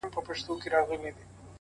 سږ کال مي ولیده لوېدلې وه له زوره ونه!!